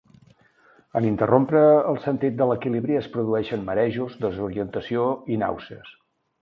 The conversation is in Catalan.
En interrompre el sentit de l'equilibri es produeixen marejos, desorientació i nàusees.